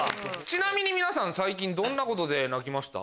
ちなみに皆さん最近どんなことで泣きました？